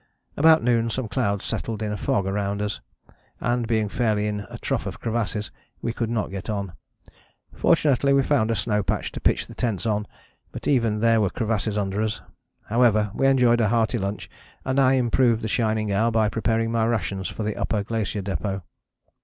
"About noon some clouds settled in a fog round us, and being fairly in a trough of crevasses we could not get on. Fortunately we found a snow patch to pitch the tents on, but even there were crevasses under us. However, we enjoyed a hearty lunch, and I improved the shining hour by preparing my rations for the Upper Glacier Depôt.